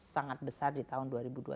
sangat besar di tahun dua ribu dua puluh